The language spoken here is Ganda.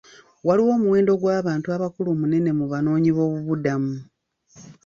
Waliwo omuwendo gw'abantu abakulu munene mu banoonyi b'obubuddamu.